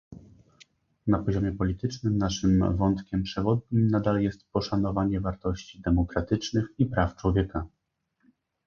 Na poziomie politycznym naszym wątkiem przewodnim nadal jest poszanowanie wartości demokratycznych i praw człowieka